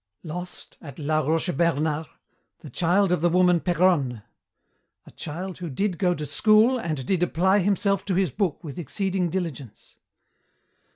"Lost, at la Rochebernart, the child of the woman Péronne, 'a child who did go to school and who did apply himself to his book with exceeding diligence.'